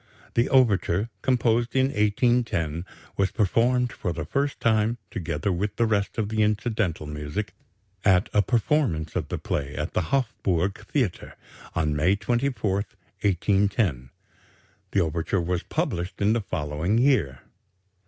The overture, composed in 1810, was performed for the first time, together with the rest of the incidental music, at a performance of the play at the Hofburg Theatre, on May 24, 1810. The overture was published in the following year.